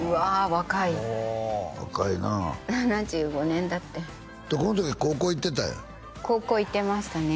若い若いな７５年だってこの時高校行ってたんや高校行ってましたね